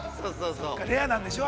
◆レアなんでしょう？